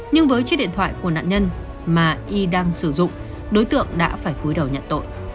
nhưng với chiếc điện thoại của nạn nhân mà y đang sử dụng đối tượng đã phải cuối đầu nhận tội